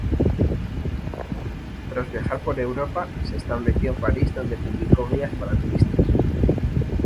Tras viajar por Europa se estableció en París, donde publicó guías para turistas.